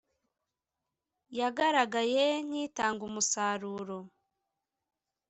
yagaragaye nk’itanga umusaruro